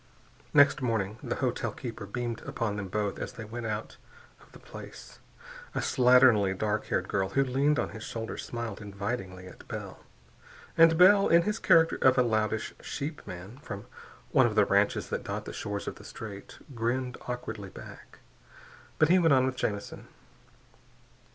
Next morning the hotel keeper beamed upon them both as they went out of the place. A slatternly, dark haired girl who leaned on his shoulder smiled invitingly at Bell. And Bell, in his character of a loutish sheepman from one of the ranches that dot the shores of the Strait, grinned awkwardly back. But he went on with Jamison.